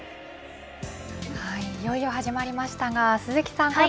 いよいよ始まりましたが鈴木さん